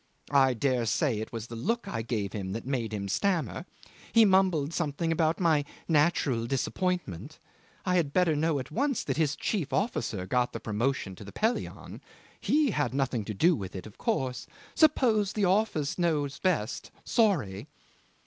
I dare say it was the look I gave him that made him stammer. He mumbled something about my natural disappointment I had better know at once that his chief officer got the promotion to the Pelion he had nothing to do with it, of course supposed the office knew best sorry.